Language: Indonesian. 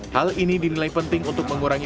hal ini dinilai penting untuk mengurangi